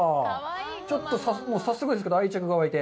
ちょっと早速ですけど、愛着が湧いて。